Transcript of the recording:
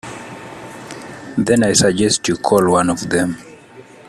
Then I suggest you call one of them.